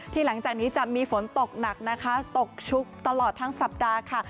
หลังจากนี้จะมีฝนตกหนักนะคะตกชุกตลอดทั้งสัปดาห์ค่ะ